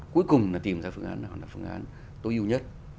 cuối cùng là tìm ra phương án hoặc là phương án tối ưu nhất